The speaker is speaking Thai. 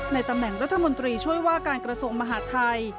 ตำแหน่งรัฐมนตรีช่วยว่าการกระทรวงมหาดไทย